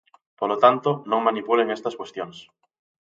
Polo tanto, non manipulen estas cuestións.